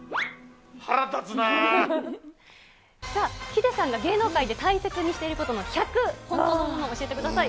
さあ、ヒデさんが芸能界で大切にしていることの１００、本当のものを教えてください。